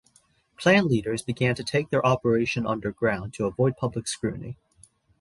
Klan leaders began to take their operation underground to avoid public scrutiny.